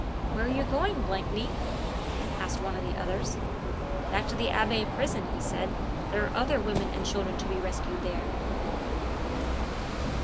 "Where are you going, Blakeney?" asked one of the others. "Back to the Abbaye prison," he said; "there are other women and children to be rescued there!"